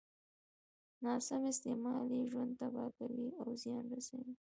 ناسم استعمال يې ژوند تباه کوي او زيان رسوي.